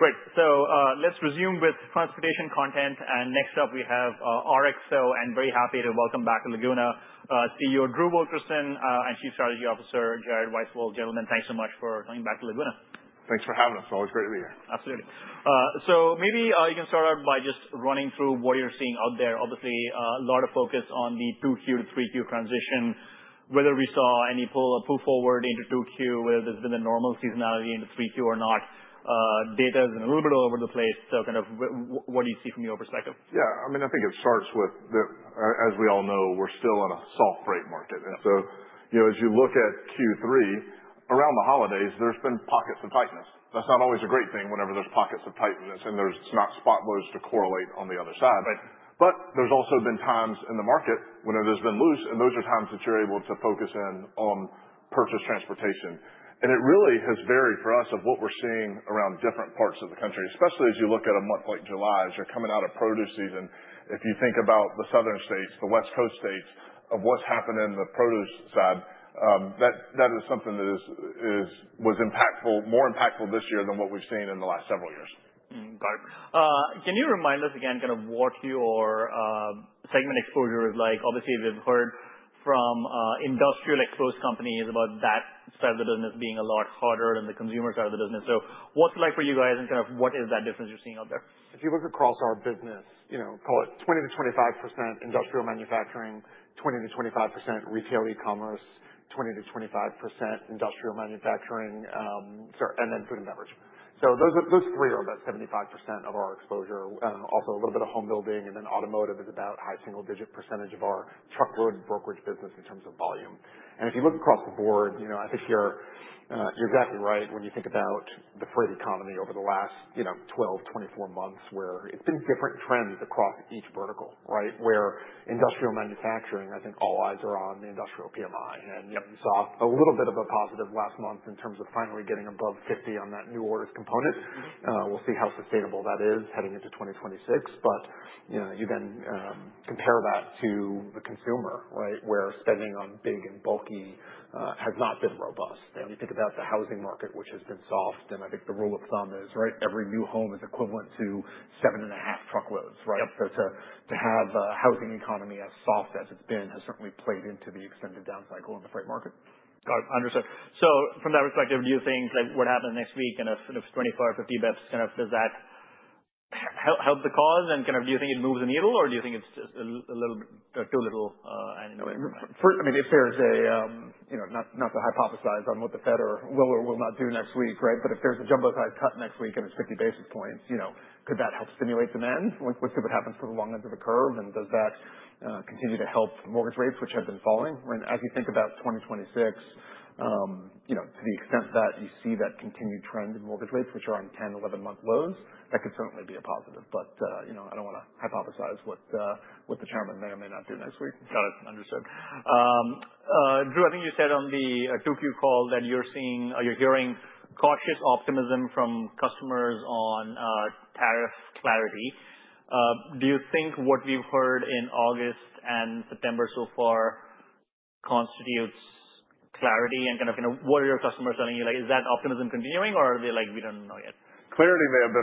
Great. So, let's resume with transportation content. And next up we have RXO, and very happy to welcome back to Laguna CEO Drew Wilkerson and Chief Strategy Officer Jared Weisfeld. Gentlemen, thanks so much for coming back to Laguna. Thanks for having us. It's always great to be here. Absolutely. So maybe you can start out by just running through what you're seeing out there. Obviously, a lot of focus on the 2Q to 3Q transition, whether we saw any pull, pull forward into 2Q, whether there's been a normal seasonality into 3Q or not. Data's been a little bit all over the place, so kind of what do you see from your perspective? Yeah. I mean, I think it starts with the, as we all know, we're still on a soft rate market. And so, you know, as you look at Q3, around the holidays, there's been pockets of tightness. That's not always a great thing whenever there's pockets of tightness, and there's not spot loads to correlate on the other side. Right. But there's also been times in the market when it has been loose, and those are times that you're able to focus in on purchased transportation. And it really has varied for us of what we're seeing around different parts of the country, especially as you look at a month like July, as you're coming out of produce season. If you think about the southern states, the West Coast states, of what's happened in the produce side, that is something that was impactful, more impactful this year than what we've seen in the last several years. Got it. Can you remind us again kind of what your segment exposure is like? Obviously, we've heard from industrial exposed companies about that side of the business being a lot harder than the consumer side of the business. So what's it like for you guys, and kind of what is that difference you're seeing out there? If you look across our business, you know, call it 20% to 25% industrial manufacturing, 20 %to 25% retail e-commerce, 20% to 25% industrial manufacturing, so, and then food and beverage. So those are, those three are about 75% of our exposure. Also a little bit of home building, and then automotive is about a high single-digit percentage of our truckload brokerage business in terms of volume. If you look across the board, you know, I think you're exactly right when you think about the freight economy over the last, you know, 12 months to 24 months, where it's been different trends across each vertical, right? Where industrial manufacturing, I think all eyes are on the industrial PMI. And yep, we saw a little bit of a positive last month in terms of finally getting above 50 on that new orders component. Mm-hmm. We'll see how sustainable that is heading into 2026. But, you know, you then compare that to the consumer, right, where spending on big and bulky has not been robust. And you think about the housing market, which has been soft, and I think the rule of thumb is, right, every new home is equivalent to seven and a half truckloads, right? So to have a housing economy as soft as it's been has certainly played into the extended down cycle in the freight market. Got it. Understood. So from that perspective, do you think, like, what happens next week, kind of, kind of 25-50 basis points, kind of, does that help the cause? And kind of do you think it moves the needle, or do you think it's just a little bit, too little, and in the right direction? I mean, if there's a, you know, not to hypothesize on what the Fed will or will not do next week, right? But if there's a jumbo rate cut next week and it's 50 basis points, you know, could that help stimulate demand? Let's see what happens to the long ends of the curve, and does that continue to help mortgage rates, which have been falling. As you think about 2026, you know, to the extent that you see that continued trend in mortgage rates, which are on 10-month, 11-month lows, that could certainly be a positive. But, you know, I don't want to hypothesize what the chairman may or may not do next week. Got it. Understood. Drew, I think you said on the 2Q call that you're seeing, you're hearing cautious optimism from customers on tariff clarity. Do you think what we've heard in August and September so far constitutes clarity? And kind of, you know, what are your customers telling you? Like, is that optimism continuing, or are they like, "We don't know yet"? Clarity may have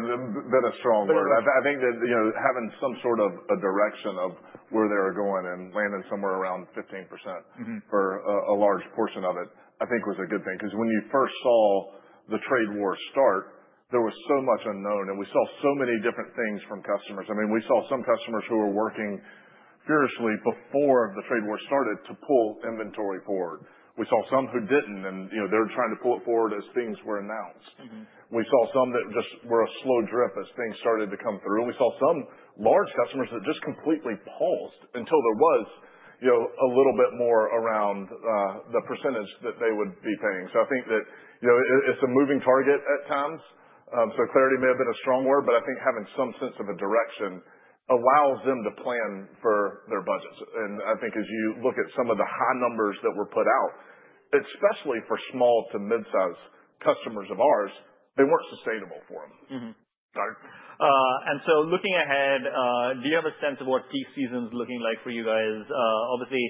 been a strong word. Mm-hmm. I think that, you know, having some sort of a direction of where they're going and landing somewhere around 15%. Mm-hmm. For a large portion of it, I think was a good thing because when you first saw the trade war start, there was so much unknown, and we saw so many different things from customers. I mean, we saw some customers who were working ferociously before the trade war started to pull inventory forward. We saw some who didn't, and, you know, they were trying to pull it forward as things were announced. Mm-hmm. We saw some that just were a slow drip as things started to come through. And we saw some large customers that just completely paused until there was, you know, a little bit more around, the percentage that they would be paying. So I think that, you know, it, it's a moving target at times. So clarity may have been a strong word, but I think having some sense of a direction allows them to plan for their budgets. And I think as you look at some of the high numbers that were put out, especially for small to mid-size customers of ours, they weren't sustainable for them. Mm-hmm. Got it. And so looking ahead, do you have a sense of what peak season's looking like for you guys? Obviously,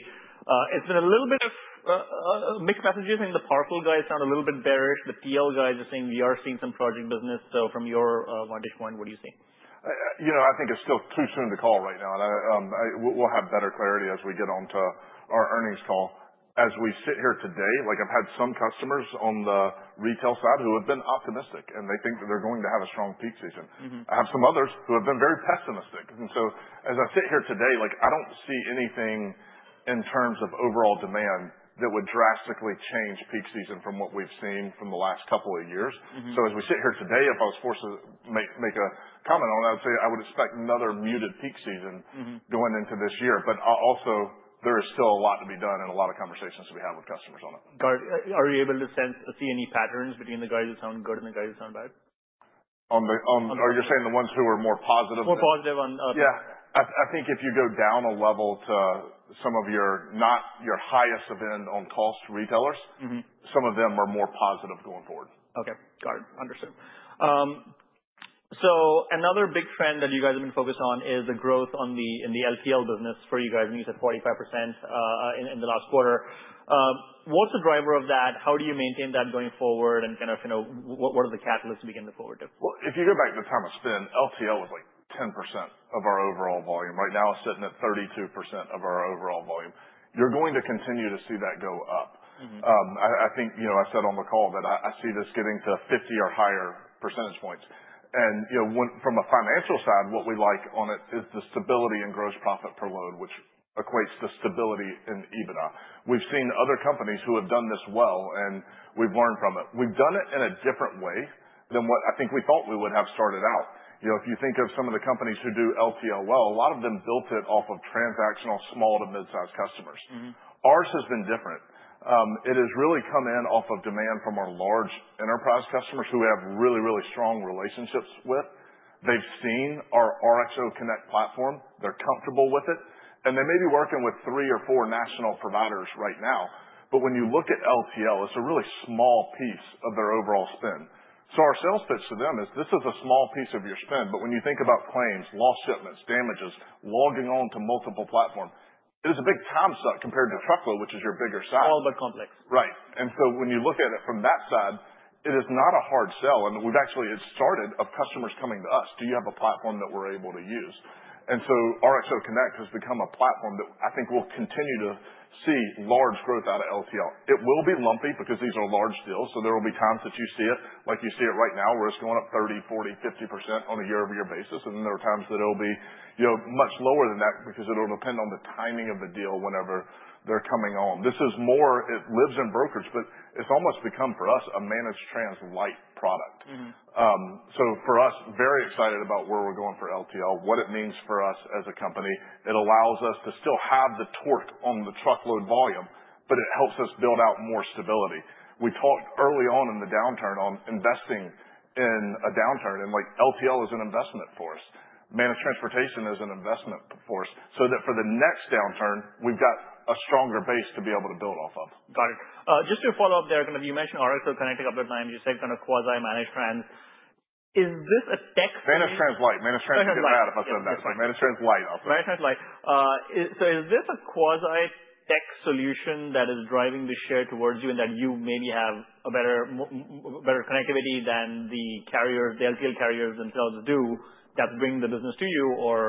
it's been a little bit of mixed messages. I mean, the parcel guys sound a little bit bearish. The LTL guys are saying we are seeing some project business. So from your vantage point, what do you see? You know, I think it's still too soon to call right now. We'll have better clarity as we get onto our earnings call. As we sit here today, like, I've had some customers on the retail side who have been optimistic, and they think that they're going to have a strong peak season. I have some others who have been very pessimistic, and so as I sit here today, like, I don't see anything in terms of overall demand that would drastically change peak season from what we've seen from the last couple of years. Mm-hmm. So as we sit here today, if I was forced to make a comment on it, I would say I would expect another muted peak season. Mm-hmm. Going into this year. But, also, there is still a lot to be done and a lot of conversations to be had with customers on it. Got it. Are you able to sense or see any patterns between the guys that sound good and the guys that sound bad? On the, on. Okay. Are you saying the ones who are more positive? More positive on, Yeah. I think if you go down a level to some of your not your highest of end on calls to retailers. Mm-hmm. Some of them are more positive going forward. Okay. Got it. Understood. So another big trend that you guys have been focused on is the growth in the LTL business for you guys. And you said 45% in the last quarter. What's the driver of that? How do you maintain that going forward? And kind of, you know, what are the catalysts to look forward to? If you go back to the time I spent, LTL was like 10% of our overall volume. Right now it's sitting at 32% of our overall volume. You're going to continue to see that go up. I think, you know, I said on the call that I see this getting to 50 or higher percentage points. You know, from a financial side, what we like on it is the stability in gross profit per load, which equates to stability in EBITDA. We've seen other companies who have done this well, and we've learned from it. We've done it in a different way than what I think we thought we would have started out. You know, if you think of some of the companies who do LTL well, a lot of them built it off of transactional small to mid-size customers. Mm-hmm. Ours has been different. It has really come in off of demand from our large enterprise customers who we have really, really strong relationships with. They've seen our RXO Connect platform. They're comfortable with it. And they may be working with three or four national providers right now. But when you look at LTL, it's a really small piece of their overall spend. So our sales pitch to them is, "This is a small piece of your spend." But when you think about claims, lost shipments, damages, logging onto multiple platforms, it is a big time suck compared to truckload, which is your bigger side. A little bit complex. Right. And so when you look at it from that side, it is not a hard sell. And we've actually had a number of customers coming to us, "Do you have a platform that we're able to use?" And so RXO Connect has become a platform that I think we'll continue to see large growth out of LTL. It will be lumpy because these are large deals, so there will be times that you see it like you see it right now, where it's going up 30%, 40%, 50% on a year-over-year basis. And then there are times that it'll be, you know, much lower than that because it'll depend on the timing of the deal whenever they're coming on. This is more, it lives in brokerage, but it's almost become, for us, a managed trans light product. Mm-hmm. So for us, very excited about where we're going for LTL, what it means for us as a company. It allows us to still have the torque on the truckload volume, but it helps us build out more stability. We talked early on in the downturn on investing in a downturn, and, like, LTL is an investment for us. Managed transportation is an investment for us so that for the next downturn, we've got a stronger base to be able to build off of. Got it. Just to follow up there, kind of you mentioned RXO Connect operating. You said kind of quasi-managed trans. Is this a tech solution? Managed transportation. Managed transportation is bad. Managed transportation. If I said that. Sorry. Managed transportation, obviously. Managed transportation. So is this a quasi-tech solution that is driving the share towards you and that you maybe have a better, better connectivity than the carriers, the LTL carriers themselves do that bring the business to your or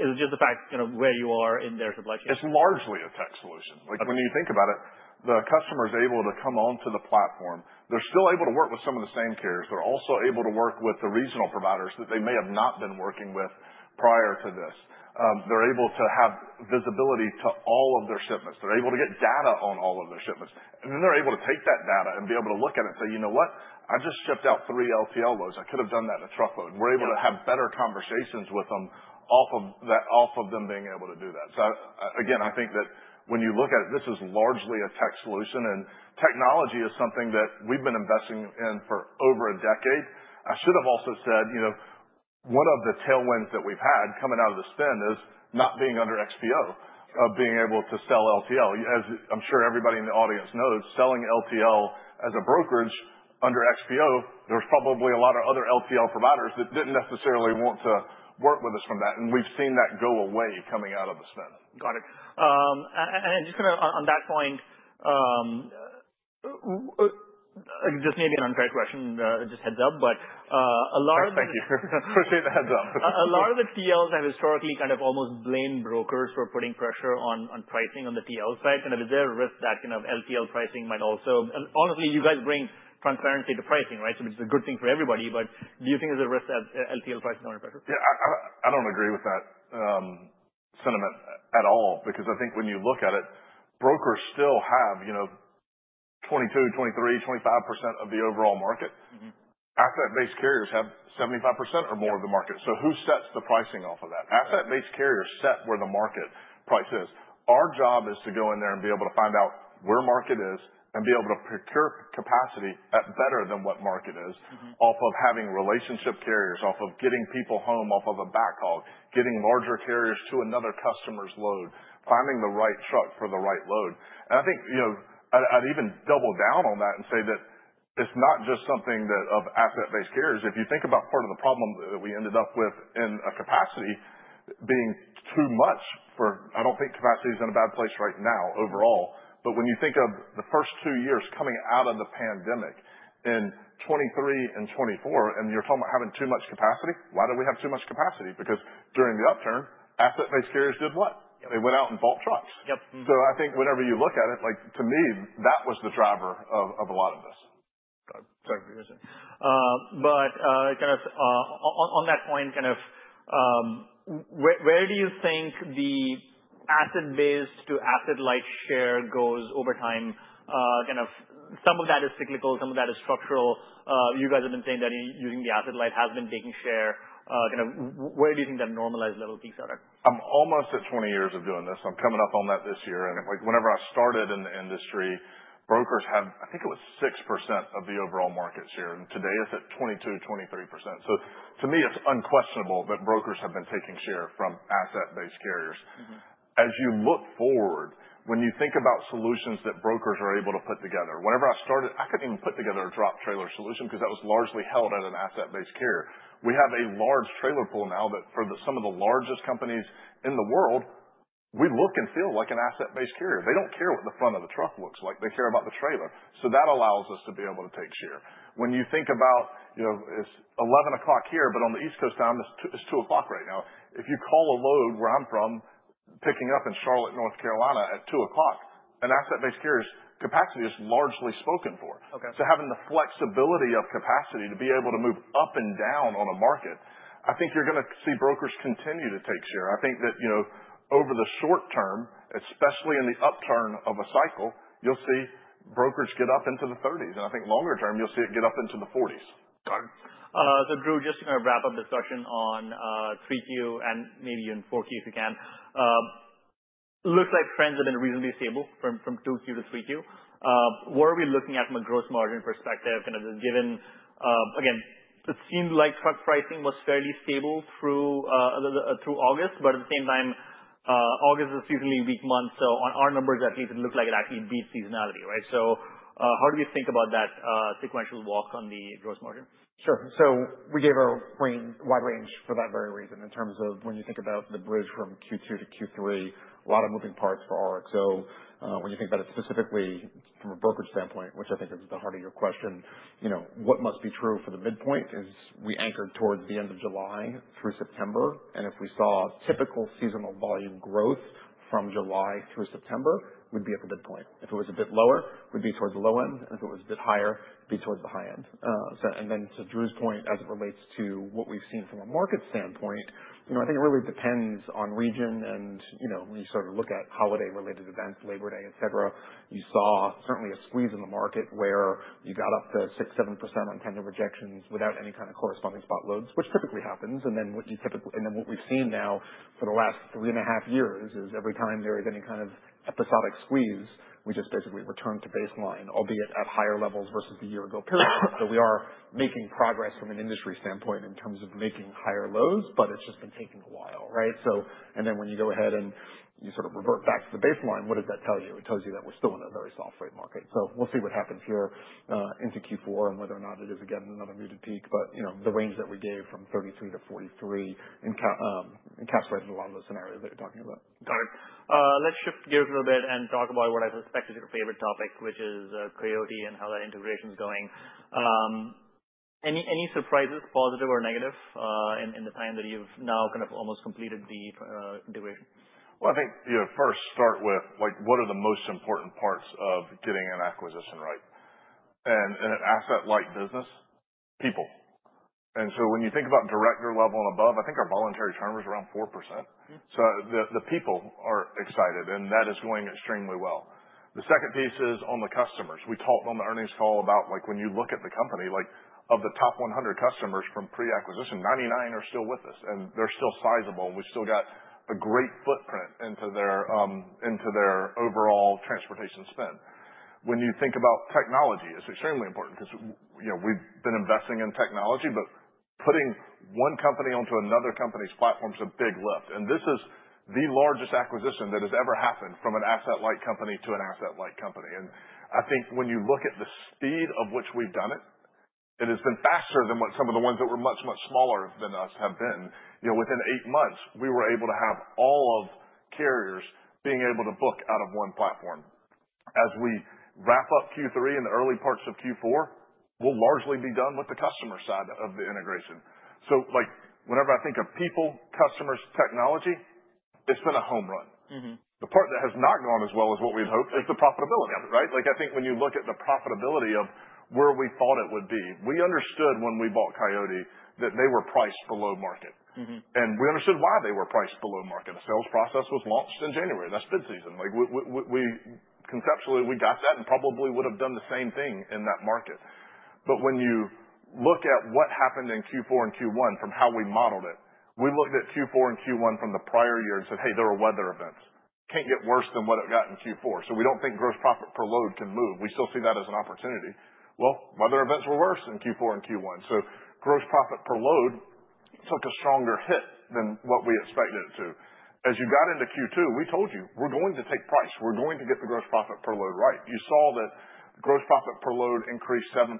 is it just the fact, you know, where you are in their supply chain? It's largely a tech solution. Got it. Like, when you think about it, the customer's able to come onto the platform. They're still able to work with some of the same carriers. They're also able to work with the regional providers that they may have not been working with prior to this. They're able to have visibility to all of their shipments. They're able to get data on all of their shipments. And then they're able to take that data and be able to look at it and say, "You know what? I just shipped out three LTL loads. I could have done that in a truckload. We're able to have better conversations with them off of that, off of them being able to do that. So I again, I think that when you look at it, this is largely a tech solution, and technology is something that we've been investing in for over a decade. I should have also said, you know, one of the tailwinds that we've had coming out of the spin is not being under XPO, being able to sell LTL. As I'm sure everybody in the audience knows, selling LTL as a brokerage under XPO, there's probably a lot of other LTL providers that didn't necessarily want to work with us from that, and we've seen that go away coming out of the spin. Got it. And just kind of on that point, just maybe an unfair question, just a heads up, but a lot of the. Thank you. Appreciate the heads up. A lot of the TLs have historically kind of almost blamed brokers for putting pressure on pricing on the TL side. Kind of is there a risk that, you know, LTL pricing might also and honestly, you guys bring transparency to pricing, right? So it's a good thing for everybody, but do you think there's a risk that LTL pricing is under pressure? Yeah. I don't agree with that sentiment at all because I think when you look at it, brokers still have, you know, 22%, 23%, 25% of the overall market. Mm-hmm. Asset-based carriers have 75% or more of the market. So who sets the pricing off of that? Asset-based carriers set where the market price is. Our job is to go in there and be able to find out where market is and be able to procure capacity at better than what market is. Mm-hmm. Off of having relationship carriers, off of getting people home, off of a backhaul, getting larger carriers to another customer's load, finding the right truck for the right load. And I think, you know, I'd even double down on that and say that it's not just something that of asset-based carriers. If you think about part of the problem that we ended up with in capacity being too much, but I don't think capacity's in a bad place right now overall. But when you think of the first two years coming out of the pandemic in 2023 and 2024, and you're talking about having too much capacity, why do we have too much capacity? Because during the upturn, asset-based carriers did what? Yep. They went out and bought trucks. I think whenever you look at it, like, to me, that was the driver of a lot of this. Got it. Sorry for interrupting, but on that point, kind of, where do you think the asset-based to asset-light share goes over time? Kind of, some of that is cyclical, some of that is structural. You guys have been saying that you using the asset-light has been taking share. Kind of, where do you think that normalized level peaks are at? I'm almost at 20 years of doing this. I'm coming up on that this year. And, like, whenever I started in the industry, brokers had, I think it was 6% of the overall market share. And today it's at 22% to 23%. So to me, it's unquestionable that brokers have been taking share from asset-based carriers. Mm-hmm. As you look forward, when you think about solutions that brokers are able to put together, whenever I started, I couldn't even put together a drop trailer solution because that was largely held at an asset-based carrier. We have a large trailer pool now that for some of the largest companies in the world, we look and feel like an asset-based carrier. They don't care what the front of the truck looks like. They care about the trailer. So that allows us to be able to take share. When you think about, you know, it's 11:00 A.M. here, but on the East Coast time, it's 2:00 P.M. right now. If you call a load where I'm from, picking up in Charlotte, North Carolina, at 2:00 P.M., an asset-based carrier's capacity is largely spoken for. Okay. Having the flexibility of capacity to be able to move up and down on a market, I think you're going to see brokers continue to take share. I think that, you know, over the short term, especially in the upturn of a cycle, you'll see brokers get up into the 30s. I think longer term, you'll see it get up into the 40s. Got it. So, Jared, just to kind of wrap up this question on 3Q and maybe even 4Q if you can, looks like trends have been reasonably stable from 2Q to 3Q. What are we looking at from a gross margin perspective? Kind of just given, again, it seemed like truck pricing was fairly stable through August. But at the same time, August is a seasonally weak month. So on our numbers, at least, it looked like it actually beat seasonality, right? So, how do we think about that, sequential walk on the gross margin? Sure, so we gave a wide range for that very reason in terms of when you think about the bridge from Q2 to Q3, a lot of moving parts for RXO. When you think about it specifically from a brokerage standpoint, which I think is the heart of your question, you know, what must be true for the midpoint is we anchored towards the end of July through September, and if we saw typical seasonal volume growth from July through September, we'd be at the midpoint. If it was a bit lower, we'd be towards the low end, and if it was a bit higher, it'd be towards the high end, so and then to Drew's point, as it relates to what we've seen from a market standpoint, you know, I think it really depends on region. You know, when you sort of look at holiday-related events, Labor Day, etc., you saw certainly a squeeze in the market where you got up to 6% to 7% on 10-year projections without any kind of corresponding spot loads, which typically happens. Then what we've seen now for the last three and a half years is every time there is any kind of episodic squeeze, we just basically return to baseline, albeit at higher levels versus the year-ago period. We are making progress from an industry standpoint in terms of making higher lows, but it's just been taking a while, right? Then when you go ahead and you sort of revert back to the baseline, what does that tell you? It tells you that we're still in a very soft rate market. So we'll see what happens here, into Q4 and whether or not it is again another muted peak. But, you know, the range that we gave from 33 to 43 encapsulated a lot of those scenarios that you're talking about. Got it. Let's shift gears a little bit and talk about what I suspect is your favorite topic, which is Coyote and how that integration's going. Any surprises, positive or negative, in the time that you've now kind of almost completed the integration? I think, you know, first start with, like, what are the most important parts of getting an acquisition right? In an asset-light business, people. When you think about director level and above, I think our voluntary churn is around 4%. So the people are excited, and that is going extremely well. The second piece is on the customers. We talked on the earnings call about, like, when you look at the company, like, of the top 100 customers from pre-acquisition, 99 are still with us. And they're still sizable, and we've still got a great footprint into their, into their overall transportation spend. When you think about technology, it's extremely important because, you know, we've been investing in technology, but putting one company onto another company's platform is a big lift. And this is the largest acquisition that has ever happened from an asset-light company to an asset-light company. And I think when you look at the speed of which we've done it, it has been faster than what some of the ones that were much, much smaller than us have been. You know, within eight months, we were able to have all of carriers being able to book out of one platform. As we wrap up Q3 and the early parts of Q4, we'll largely be done with the customer side of the integration. So, like, whenever I think of people, customers, technology, it's been a home run. Mm-hmm. The part that has not gone as well as what we'd hoped is the profitability of it, right? Like, I think when you look at the profitability of where we thought it would be, we understood when we bought Coyote that they were priced below market. We understood why they were priced below market. A sales process was launched in January. That's bid season. Like, we conceptually, we got that and probably would have done the same thing in that market. When you look at what happened in Q4 and Q1 from how we modeled it, we looked at Q4 and Q1 from the prior year and said, "Hey, there are weather events. It can't get worse than what it got in Q4." We don't think gross profit per load can move. We still see that as an opportunity. Weather events were worse in Q4 and Q1. So gross profit per load took a stronger hit than what we expected it to. As you got into Q2, we told you, "We're going to take price. We're going to get the gross profit per load right." You saw that gross profit per load increased 7%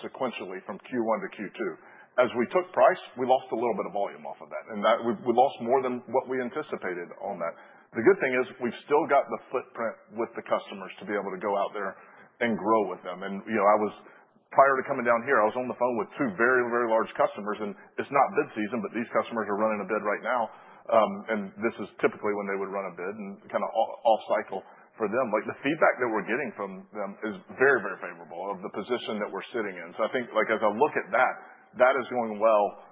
sequentially from Q1 to Q2. As we took price, we lost a little bit of volume off of that. And that we lost more than what we anticipated on that. The good thing is we've still got the footprint with the customers to be able to go out there and grow with them. And, you know, I was prior to coming down here, I was on the phone with two very, very large customers. And it's not bid season, but these customers are running a bid right now. And this is typically when they would run a bid and kind of off cycle for them. Like, the feedback that we're getting from them is very, very favorable of the position that we're sitting in. So I think, like, as I look at that, that is going well,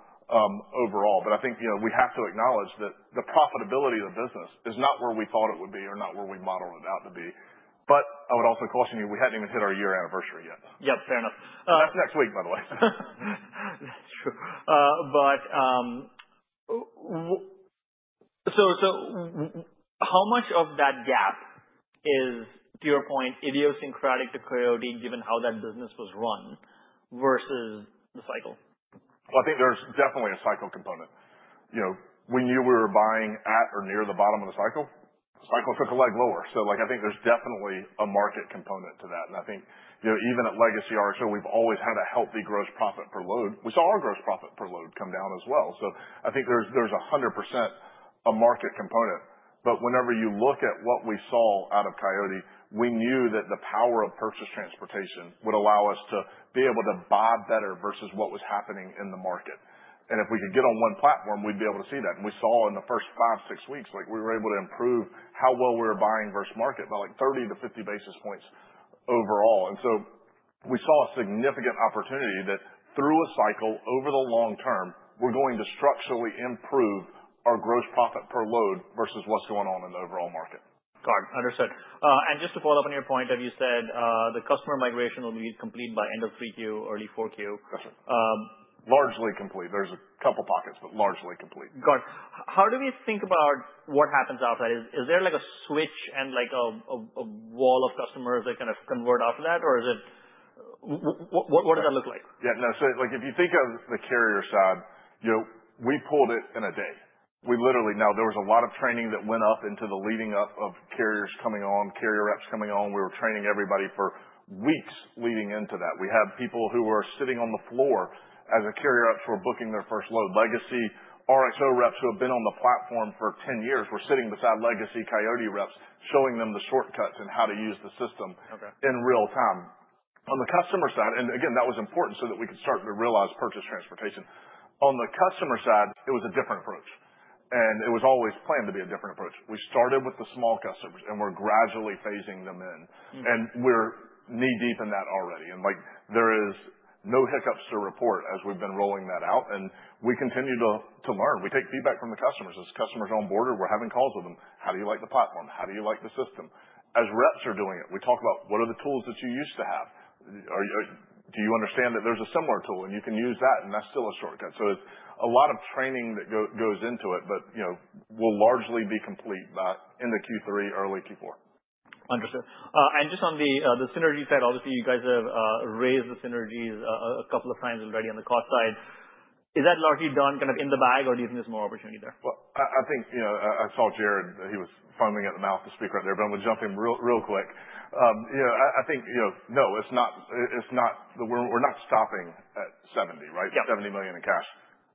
overall. But I think, you know, we have to acknowledge that the profitability of the business is not where we thought it would be or not where we modeled it out to be. But I would also caution you, we hadn't even hit our year anniversary yet. Yep. Fair enough. That's next week, by the way. That's true, but so how much of that gap is, to your point, idiosyncratic to Coyote given how that business was run versus the cycle? I think there's definitely a cycle component. You know, we knew we were buying at or near the bottom of the cycle. The cycle took a leg lower. Like, I think there's definitely a market component to that. I think, you know, even at Legacy RXO, we've always had a healthy gross profit per load. We saw our gross profit per load come down as well. I think there's 100% a market component. Whenever you look at what we saw out of Coyote, we knew that the power of purchase transportation would allow us to be able to buy better versus what was happening in the market. If we could get on one platform, we'd be able to see that. And we saw in the first five, six weeks, like, we were able to improve how well we were buying versus market by like 30 to 50 basis points overall. And so we saw a significant opportunity that through a cycle over the long term, we're going to structurally improve our gross profit per load versus what's going on in the overall market. Got it. Understood. And just to follow up on your point when you said, the customer migration will be complete by end of 3Q, early 4Q? That's right. Largely complete. There's a couple pockets, but largely complete. Got it. How do we think about what happens after that? Is there, like, a switch and, like, a wall of customers that kind of convert after that or is it, what does that look like? Yeah. No, so like, if you think of the carrier side, you know, we pulled it in a day. We literally. Now there was a lot of training that went up into the lead-up to carriers coming on, carrier reps coming on. We were training everybody for weeks leading into that. We had people who were sitting on the floor as carrier reps who were booking their first load. Legacy RXO reps who have been on the platform for 10 years were sitting beside Legacy Coyote reps showing them the shortcuts and how to use the system in real time. On the customer side and again, that was important so that we could start to realize purchase transportation. On the customer side, it was a different approach. And it was always planned to be a different approach. We started with the small customers, and we're gradually phasing them in. And we're knee-deep in that already. And, like, there is no hiccups to report as we've been rolling that out. And we continue to learn. We take feedback from the customers. As customers onboard, we're having calls with them. "How do you like the platform? How do you like the system?" As reps are doing it, we talk about, "What are the tools that you used to have? Do you understand that there's a similar tool, and you can use that?" And that's still a shortcut. So it's a lot of training that goes into it, but, you know, will largely be complete by end of Q3, early Q4. Understood, and just on the synergy side, obviously, you guys have raised the synergies a couple of times already on the cost side. Is that largely done kind of in the bag, or do you think there's more opportunity there? I think you know I saw Jared. He was foaming at the mouth to speak right there, but I'm going to jump in real quick. You know, I think, no, it's not, it's not that we're, we're not stopping at $70 million, right? $70 million in cash.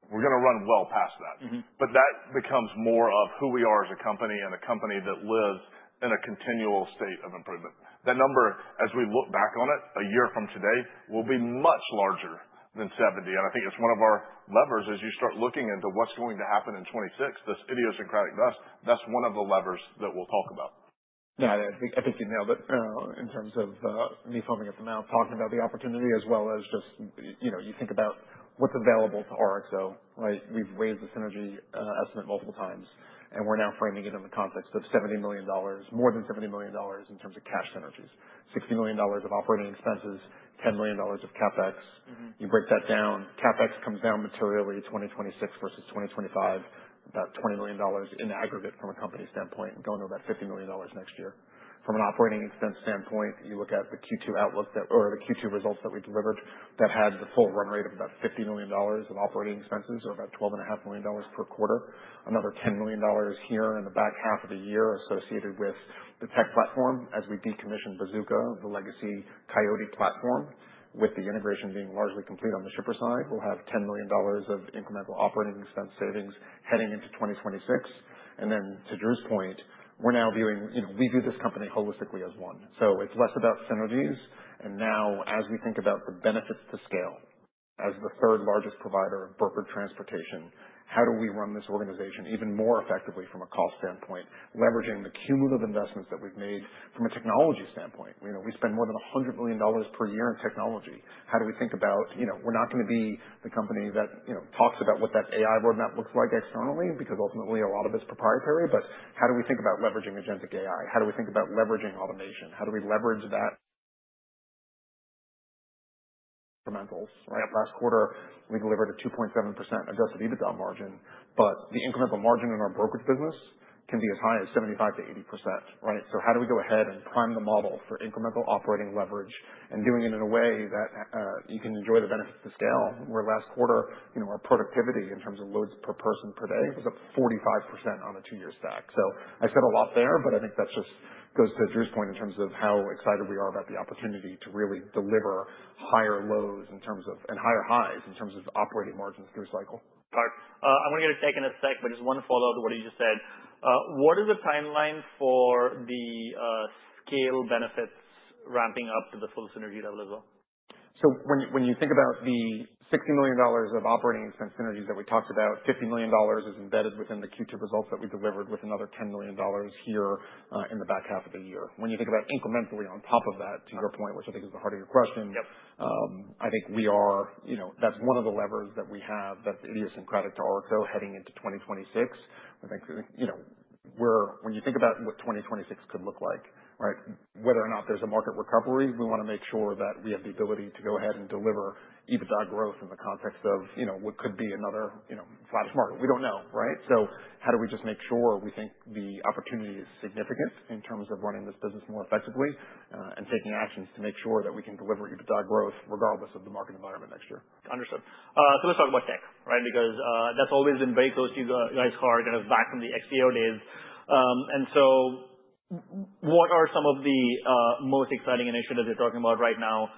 We're going to run well past that But that becomes more of who we are as a company and a company that lives in a continual state of improvement. That number, as we look back on it a year from today, will be much larger than $70 million. And I think it's one of our levers as you start looking into what's going to happen in 2026. This idiosyncratic bust, that's one of the levers that we'll talk about. Yeah. I think, I think you nailed it, in terms of, me foaming at the mouth talking about the opportunity as well as just, you know, you think about what's available to RXO, right? We've raised the synergy estimate multiple times, and we're now framing it in the context of $70 million, more than $70 million in terms of cash synergies, $60 million of operating expenses, $10 million of CapEx. You break that down, CapEx comes down materially 2026 versus 2025, about $20 million in aggregate from a company standpoint, going to about $50 million next year. From an operating expense standpoint, you look at the Q2 outlook that or the Q2 results that we delivered that had the full run rate of about $50 million of operating expenses or about $12.5 million per quarter, another $10 million here in the back half of the year associated with the tech platform as we decommission Bazooka, the Legacy Coyote platform. With the integration being largely complete on the shipper side, we'll have $10 million of incremental operating expense savings heading into 2026. And then to Drew's point, we're now viewing, you know, we view this company holistically as one. So it's less about synergies. Now, as we think about the benefits to scale as the third largest provider of brokered transportation, how do we run this organization even more effectively from a cost standpoint, leveraging the cumulative investments that we've made from a technology standpoint? You know, we spend more than $100 million per year in technology. How do we think about, you know, we're not going to be the company that, you know, talks about what that AI roadmap looks like externally because ultimately a lot of it's proprietary. But how do we think about leveraging agentic AI? How do we think about leveraging automation? How do we leverage that incrementals, right? Last quarter, we delivered a 2.7% adjusted EBITDA margin, but the incremental margin in our brokerage business can be as high as 75% to 80%, right? So, how do we go ahead and prime the model for incremental operating leverage and doing it in a way that you can enjoy the benefits to scale? Where last quarter, you know, our productivity in terms of loads per person per day was up 45% on a two-year stack. So I said a lot there, but I think that just goes to Drew's point in terms of how excited we are about the opportunity to really deliver higher lows in terms of and higher highs in terms of operating margins through cycle. Got it. I want to get a second of spec, but just one follow-up to what you just said. What is the timeline for the scale benefits ramping up to the full synergy level as well? So when you think about the $60 million of operating expense synergies that we talked about, $50 million is embedded within the Q2 results that we delivered with another $10 million here, in the back half of the year. When you think about incrementally on top of that, to your point, which I think is the heart of your question. I think we are, you know, that's one of the levers that we have that's idiosyncratic to RXO heading into 2026. I think, you know, we're, when you think about what 2026 could look like, right, whether or not there's a market recovery, we want to make sure that we have the ability to go ahead and deliver EBITDA growth in the context of, you know, what could be another, you know, flash market. We don't know, right? So how do we just make sure we think the opportunity is significant in terms of running this business more effectively, and taking actions to make sure that we can deliver EBITDA growth regardless of the market environment next year? Understood. So let's talk about tech, right? Because that's always been very close to your guys' heart kind of back from the XPO days. And so what are some of the most exciting initiatives you're talking about right now?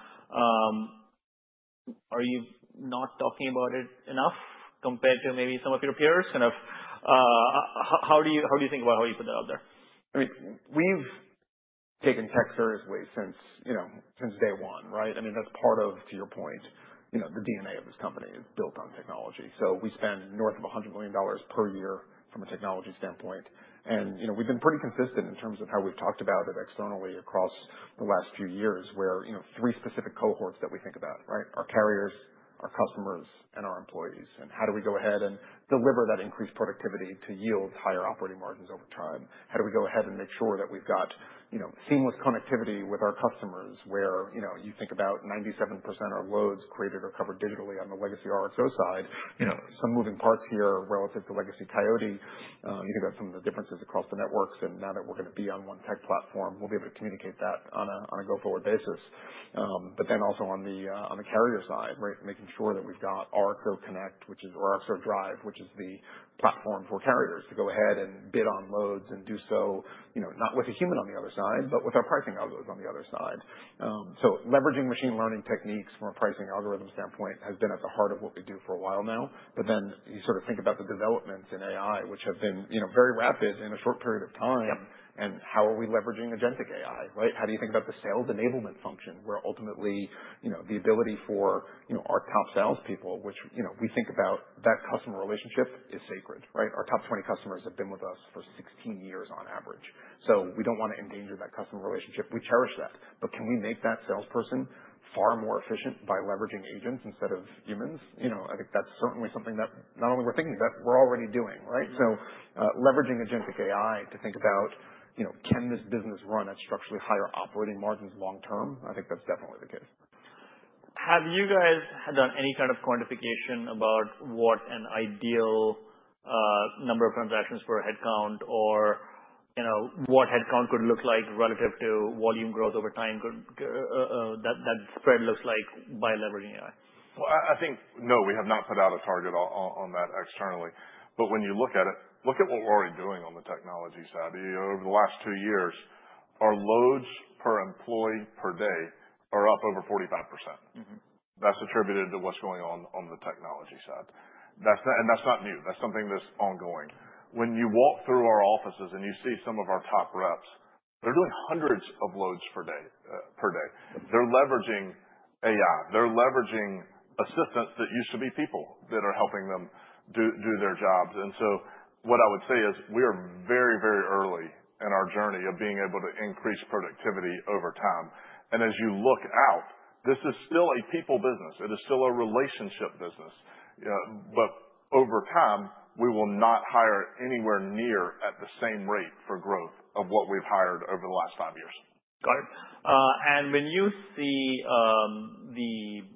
Are you not talking about it enough compared to maybe some of your peers kind of? How do you think about how you put that out there? I mean, we've taken tech seriously since, you know, since day one, right? I mean, that's part of, to your point, you know, the DNA of this company is built on technology. So we spend north of $100 million per year from a technology standpoint. And, you know, we've been pretty consistent in terms of how we've talked about it externally across the last few years where, you know, three specific cohorts that we think about, right? Our carriers, our customers, and our employees. And how do we go ahead and deliver that increased productivity to yield higher operating margins over time? How do we go ahead and make sure that we've got, you know, seamless connectivity with our customers where, you know, you think about 97% of our loads created or covered digitally on the Legacy RXO side, you know, some moving parts here relative to Legacy Coyote. You think about some of the differences across the networks. And now that we're going to be on one tech platform, we'll be able to communicate that on a go-forward basis. But then also on the, on the carrier side, right, making sure that we've got RXO Connect, which is or RXO Drive, which is the platform for carriers to go ahead and bid on loads and do so, you know, not with a human on the other side, but with our pricing algos on the other side. So leveraging machine learning techniques from a pricing algorithm standpoint has been at the heart of what we do for a while now. But then you sort of think about the developments in AI, which have been, you know, very rapid in a short period of time. How are we leveraging agentic AI, right? How do you think about the sales enablement function where ultimately, you know, the ability for, you know, our top salespeople, which, you know, we think about that customer relationship is sacred, right? Our top 20 customers have been with us for 16 years on average. So we don't want to endanger that customer relationship. We cherish that. But can we make that salesperson far more efficient by leveraging agents instead of humans? You know, I think that's certainly something that not only we're thinking but we're already doing, right? So, leveraging agentic AI to think about, you know, can this business run at structurally higher operating margins long term? I think that's definitely the case. Have you guys had done any kind of quantification about what an ideal number of transactions for a headcount or, you know, what headcount could look like relative to volume growth over time could that spread looks like by leveraging AI? I think no, we have not put out a target on that externally. But when you look at it, look at what we're already doing on the technology side. You know, over the last two years, our loads per employee per day are up over 45%. That's attributed to what's going on on the technology side. That's not, and that's not new. That's something that's ongoing. When you walk through our offices and you see some of our top reps, they're doing hundreds of loads per day, per day. They're leveraging AI. They're leveraging assistants that used to be people that are helping them do their jobs. And so what I would say is we are very, very early in our journey of being able to increase productivity over time. And as you look out, this is still a people business. It is still a relationship business. You know, but over time, we will not hire anywhere near at the same rate for growth of what we've hired over the last five years. Got it, and when you see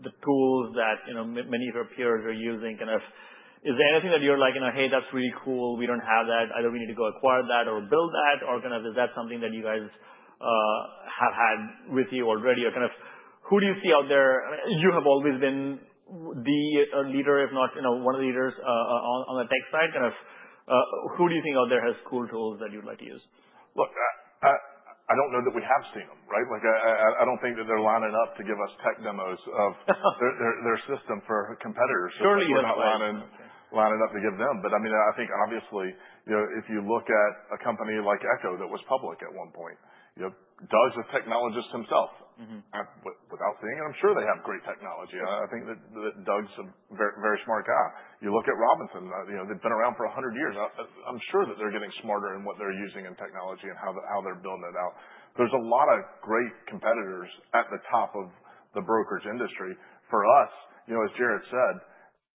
the tools that, you know, many of your peers are using kind of, is there anything that you're like, you know, "Hey, that's really cool. We don't have that. Either we need to go acquire that or build that," or kind of is that something that you guys have had with you already? Or kind of who do you see out there? You have always been the leader, if not, you know, one of the leaders, on the tech side. Kind of, who do you think out there has cool tools that you'd like to use? Look, I don't know that we have seen them, right? Like, I don't think that they're lining up to give us tech demos of their system for competitors. Surely you're not. We're not lining up to give them. But I mean, I think obviously, you know, if you look at a company like Echo that was public at one point, you know, Doug's a technologist himself. Mm-hmm. Without seeing it, I'm sure they have great technology. I think that Doug's a very, very smart guy. You look at Robinson, you know, they've been around for 100 years. I'm sure that they're getting smarter in what they're using in technology and how they're building it out. There's a lot of great competitors at the top of the brokerage industry. For us, you know, as Jared said,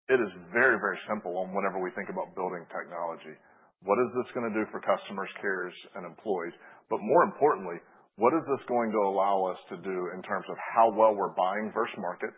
it is very, very simple on whatever we think about building technology. What is this going to do for customers, carriers, and employees? But more importantly, what is this going to allow us to do in terms of how well we're buying versus market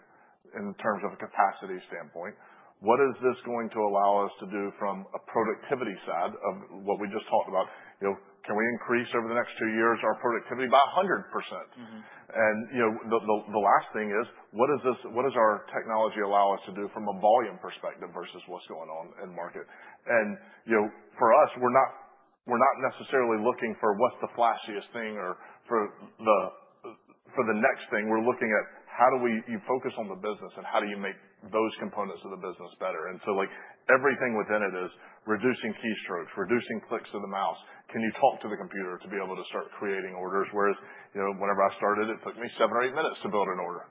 in terms of a capacity standpoint? What is this going to allow us to do from a productivity side of what we just talked about? You know, can we increase over the next two years our productivity by 100%? Mm-hmm. And, you know, the last thing is what does our technology allow us to do from a volume perspective versus what's going on in market? And, you know, for us, we're not necessarily looking for what's the flashiest thing or for the next thing. We're looking at how do we focus on the business and how do you make those components of the business better? And so, like, everything within it is reducing keystrokes, reducing clicks of the mouse. Can you talk to the computer to be able to start creating orders? Whereas, you know, whenever I started, it took me seven or eight minutes to build an order.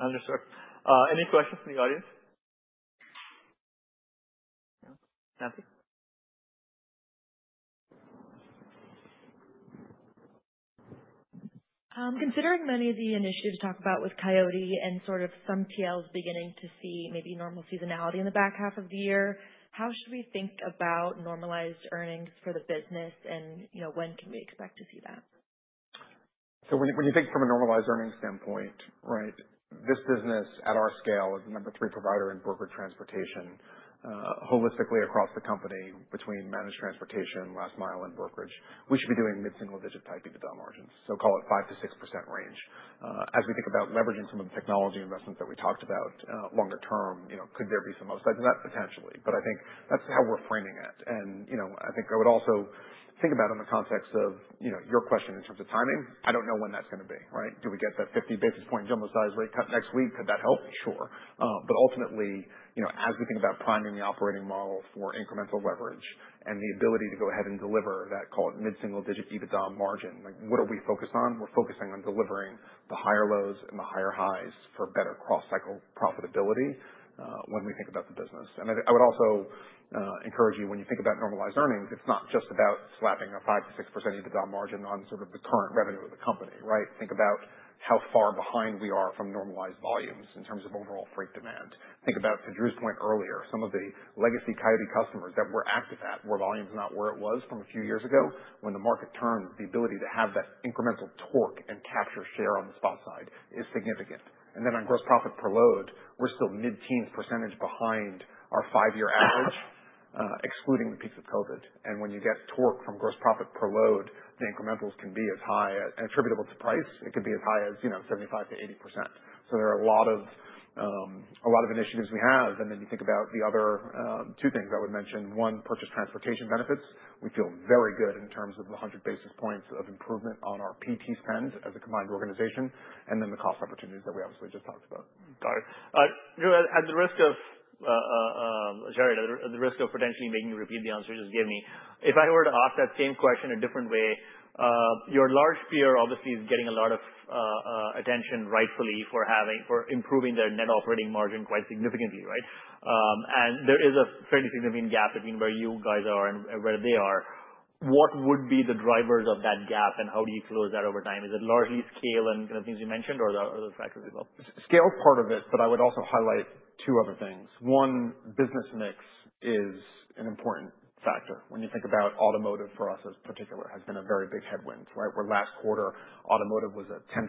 Understood. Any questions from the audience? No? Cathy? Considering many of the initiatives talked about with Coyote and sort of some PLs beginning to see maybe normal seasonality in the back half of the year, how should we think about normalized earnings for the business and, you know, when can we expect to see that? So when, when you think from a normalized earnings standpoint, right, this business at our scale as the number three provider in brokered transportation, holistically across the company between managed transportation, last mile, and brokerage, we should be doing mid-single-digit type EBITDA margins, so call it 5% to 6% range. As we think about leveraging some of the technology investments that we talked about, longer term, you know, could there be some upside to that? Potentially. But I think that's how we're framing it. You know, I think I would also think about in the context of your question in terms of timing, I don't know when that's going to be, right? Do we get that 50 basis points jumbo size rate cut next week? Could that help? Sure. But ultimately, you know, as we think about priming the operating model for incremental leverage and the ability to go ahead and deliver that, call it mid-single-digit EBITDA margin, like, what are we focused on? We're focusing on delivering the higher lows and the higher highs for better cross-cycle profitability, when we think about the business. And I would also encourage you when you think about normalized earnings, it's not just about slapping a 5% to 6% EBITDA margin on sort of the current revenue of the company, right? Think about how far behind we are from normalized volumes in terms of overall freight demand. Think about, to Drew's point earlier, some of the legacy Coyote customers that we're active at where volume's not where it was from a few years ago when the market turned. The ability to have that incremental torque and capture share on the spot side is significant. And then on gross profit per load, we're still mid-teens percentage behind our five-year average, excluding the peaks of COVID. And when you get torque from gross profit per load, the incrementals can be as high as and attributable to price. It could be as high as, you know, 75% to 80%. So there are a lot of, a lot of initiatives we have. And then you think about the other two things I would mention. One, purchase transportation benefits. We feel very good in terms of the 100 basis points of improvement on our PT spend as a combined organization and then the cost opportunities that we obviously just talked about. Got it. Drew, at the risk of, Jared, at the risk of potentially making you repeat the answer, just give me, if I were to ask that same question a different way, your large peer obviously is getting a lot of attention rightfully for having for improving their net operating margin quite significantly, right? And there is a fairly significant gap between where you guys are and where they are. What would be the drivers of that gap and how do you close that over time? Is it largely scale and kind of things you mentioned or the other factors as well? Scale's part of it, but I would also highlight two other things. One, business mix is an important factor. When you think about automotive for us in particular, it has been a very big headwind, right? Where last quarter, automotive was a $10+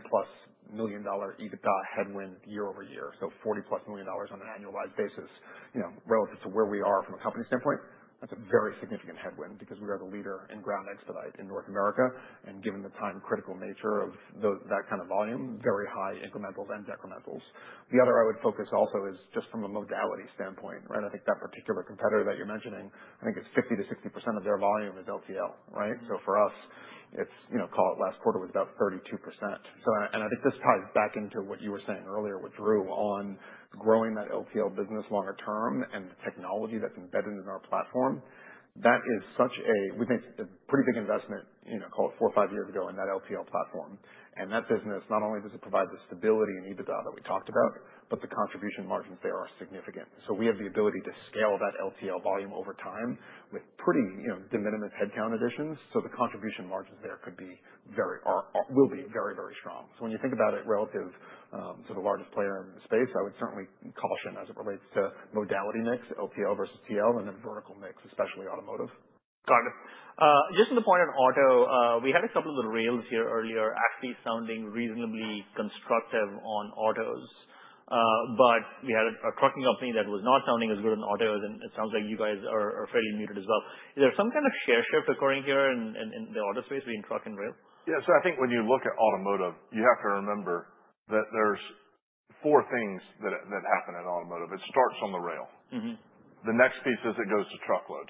million EBITDA headwind year over year, so $40+ million on an annualized basis, you know, relative to where we are from a company standpoint, that's a very significant headwind because we are the leader in ground expedite in North America. And given the time-critical nature of those that kind of volume, very high incrementals and decrementals. The other I would focus also is just from a modality standpoint, right? I think that particular competitor that you're mentioning, I think it's 50% to 60% of their volume is LTL, right? So for us, it's, you know, call it last quarter was about 32%. So I think this ties back into what you were saying earlier with Drew, on growing that LTL business longer term and the technology that's embedded in our platform. That we made a pretty big investment, you know, call it four or five years ago in that LTL platform. And that business, not only does it provide the stability and EBITDA that we talked about, but the contribution margins there are significant. So we have the ability to scale that LTL volume over time with pretty, you know, de minimis headcount additions. So the contribution margins there could be very, very strong. So when you think about it relative to the largest player in the space, I would certainly caution as it relates to modality mix, LTL versus TL, and then vertical mix, especially automotive. Got it. Just on the point on auto, we had a couple of the rails here earlier actually sounding reasonably constructive on autos. But we had a trucking company that was not sounding as good on autos, and it sounds like you guys are fairly muted as well. Is there some kind of share shift occurring here in the auto space between truck and rail? Yeah. So I think when you look at automotive, you have to remember that there's four things that happen in automotive. It starts on the rail. Mm-hmm. The next piece is it goes to truckload.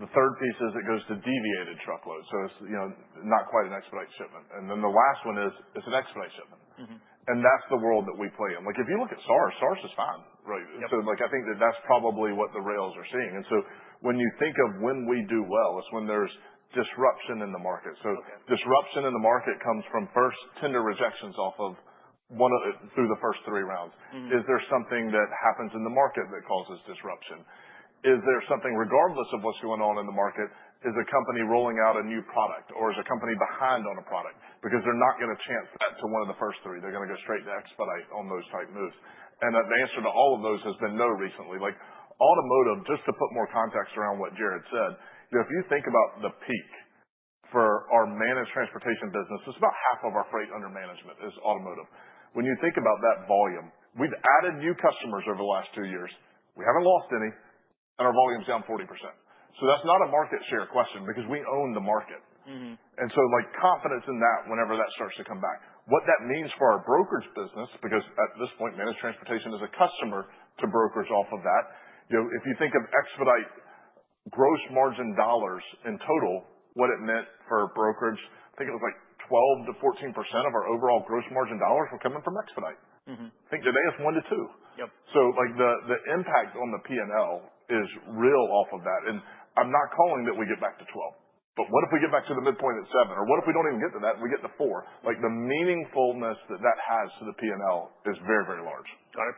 The third piece is it goes to deviated truckload, so it's, you know, not quite an expedite shipment, and then the last one is it's an expedite shipment. Mm-hmm. That's the world that we play in. Like, if you look at SAAR, SAAR is fine, right? Yep. So, like, I think that that's probably what the rails are seeing. And so when you think of when we do well, it's when there's disruption in the market. Disruption in the market comes from first tender rejections off of one of through the first three rounds. Mm-hmm. Is there something that happens in the market that causes disruption? Is there something regardless of what's going on in the market, is a company rolling out a new product or is a company behind on a product? Because they're not going to chance that to one of the first three. They're going to go straight to expedite on those type moves. And the answer to all of those has been no recently. Like, automotive, just to put more context around what Jared said, you know, if you think about the peak for our managed transportation business, it's about half of our freight under management is automotive. When you think about that volume, we've added new customers over the last two years. We haven't lost any, and our volume's down 40%. So that's not a market share question because we own the market. And so, like, confidence in that whenever that starts to come back. What that means for our brokerage business, because at this point, managed transportation is a customer to brokers off of that, you know, if you think of expedite gross margin dollars in total, what it meant for brokerage. I think it was like 12% to 14% of our overall gross margin dollars were coming from expedite. Mm-hmm. I think today it's one to two. Yep. So, like, the impact on the P&L is real off of that, and I'm not calling that we get back to 12, but what if we get back to the midpoint at seven, or what if we don't even get to that and we get to four? Like, the meaningfulness that that has to the P&L is very, very large. Got it.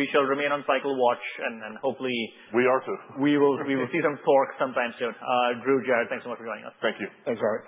We shall remain on cycle watch and, hopefully. We are too. We will see some torque sometime soon. Drew, Jared, thanks so much for joining us. Thank you. Thanks Guys.